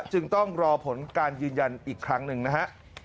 จึงต้องรอผลการยืนยันอีกครั้งหนึ่งนะฮะ